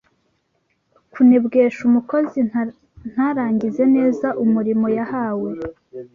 kunebwesha umukozi ntarangize neza umurimo yahawe